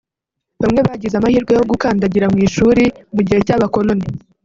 Bamwe bagize amahirwe yo gukandagira mu ishuri mu gihe cy’Abakoloni